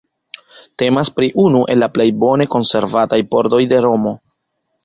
Temas pri unu el la plej bone konservataj pordoj de Romo.